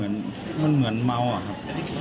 มันเหมือนเมา่อ่ะครับ